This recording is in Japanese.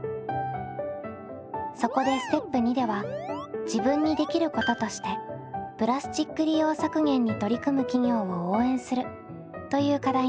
そこでステップ②では自分にできることとしてプラスチック利用削減に取り組む企業を応援するという課題に変更。